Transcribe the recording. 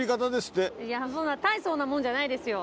そんな大層なもんじゃないですよ。